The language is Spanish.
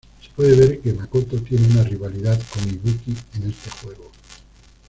Se puede ver que Makoto tiene una rivalidad con Ibuki en este juego.